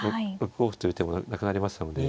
６五歩という手もなくなりましたので。